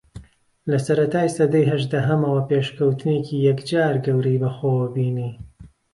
لە سەرەتای سەدەی ھەژدەھەمەوە پێشکەوتنێکی یەکجار گەورەی بەخۆوە بینی